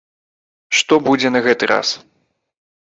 Што будзе на гэты раз?